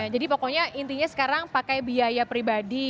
jadi pokoknya intinya sekarang pakai biaya pribadi